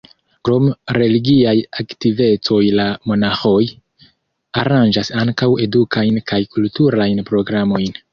Krom religiaj aktivecoj la monaĥoj aranĝas ankaŭ edukajn kaj kulturajn programojn.